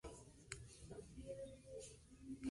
Fue una necesidad personal de mostrar mis canciones.